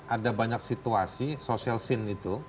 ada banyak situasi social scene itu